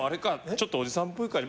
ちょっとおじさんっぽいから。